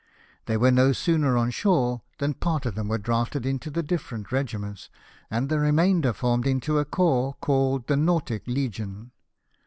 They were no sooner on shore than part of them were drafted into the different regiments, and the remainder formed into a corps called the Nautic Legion.